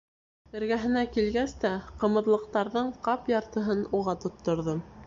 Эргәһенә килгәс тә, ҡымыҙлыҡтарҙың ҡап яртыһын уға тотторҙом.